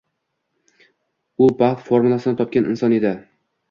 U baxt formulasini topgan inson edi